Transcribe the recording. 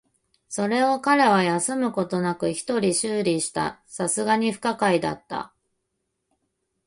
それを彼は休むことなく一人修理した。流石に不可解だった。